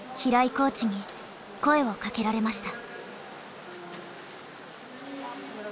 コーチに声をかけられました。